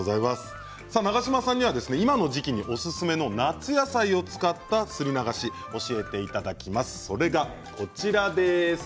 長島さんには今の時期におすすめの夏野菜を使ったすり流しを教えていただきます。